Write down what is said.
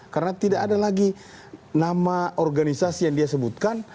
karena tidak ada lagi nama organisasi yang dia sebutkan